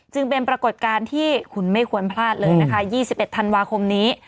จึงเป็นปรากฏการณ์ที่คุณไม่ควรพลาดเลยนะคะ๒๑ธันวาคมนี้